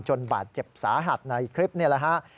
บาดเจ็บสาหัสในคลิปนี่แหละฮะ